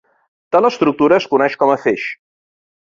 Tal estructura es coneix com a feix.